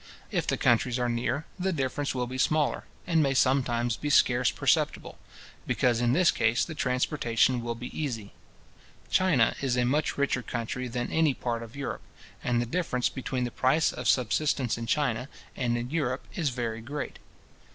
If the countries are near, the difference will be smaller, and may sometimes be scarce perceptible; because in this case the transportation will be easy. China is a much richer country than any part of Europe, and the difference between the price of subsistence in China and in Europe is very great.